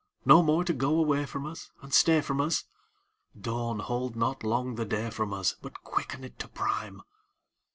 No more to go away from us And stay from us?— Dawn, hold not long the day from us, But quicken it to prime!